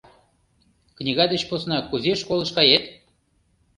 Книга деч посна кузе школыш кает?